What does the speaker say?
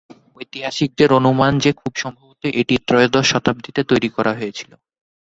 ঐতিহাসিকদের অনুমান যে খুব সম্ভবত এটি ত্রয়োদশ শতাব্দীতে তৈরি করা হয়েছিল।